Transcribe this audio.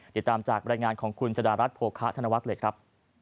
เดี๋ยวตามจากบรรยายงานของคุณจดารัฐโภคฮะธนวัฒน์เหล็กครับ